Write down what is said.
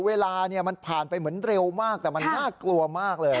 เวลามันผ่านไปเหมือนเร็วมากแต่มันน่ากลัวมากเลย